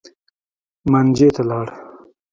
مانجې ته لاړ.